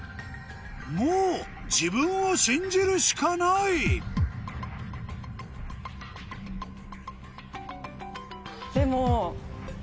もう自分を信じるしかないでも。